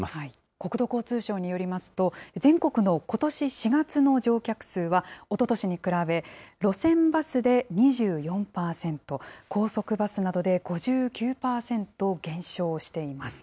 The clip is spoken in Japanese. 国土交通省によりますと、全国のことし４月の乗客数は、おととしに比べ、路線バスで２４％、高速バスなどで５９％減少しています。